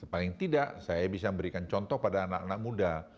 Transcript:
paling tidak saya bisa berikan contoh pada anak anak muda